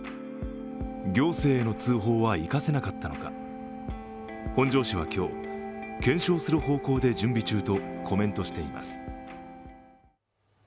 行政への通報は生かせなかったのか、本庄市は今日検証する方向で準備中とコメントしています。